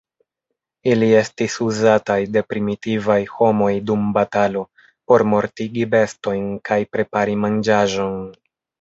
Ili estis uzataj de primitivaj homoj dum batalo, por mortigi bestojn, kaj prepari manĝaĵon.